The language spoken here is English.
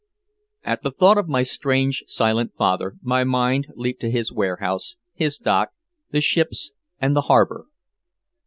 At the thought of my strange silent father, my mind leaped to his warehouse, his dock, the ships and the harbor.